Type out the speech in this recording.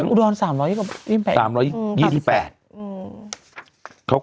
อุดรรณ์๓๒๘บาท